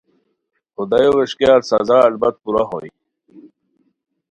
خدایو ویݰکیار سزا البت پورہ ہوئے